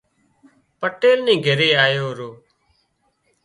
پٽيل نِي گھري آيو رو